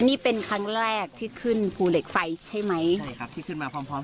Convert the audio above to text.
นี่เป็นครั้งแรกที่ขึ้นภูเหล็กไฟใช่ไหม